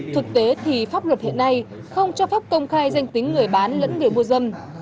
thực tế thì pháp luật hiện nay không cho phép công khai danh tính người bán lẫn người mua dâm